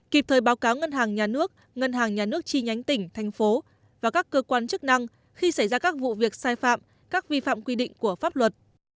kịp thời báo cáo ngân hàng nhà nước ngân hàng nhà nước chi nhánh tỉnh thành phố và các cơ quan chức năng khi xảy ra các vụ việc sai phạm các vi phạm quy định của pháp luật